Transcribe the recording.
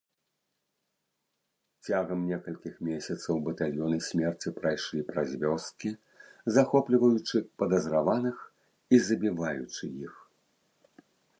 Цягам некалькіх месяцаў батальёны смерці прайшлі праз вёскі, захопліваючы падазраваных і забіваючы іх.